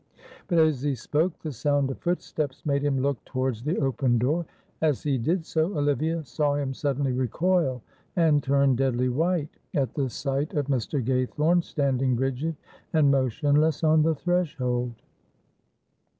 But as he spoke the sound of footsteps made him look towards the open door. As he did so, Olivia saw him suddenly recoil and turn deadly white at the sight of Mr. Gaythorne standing rigid and motionless on the threshold.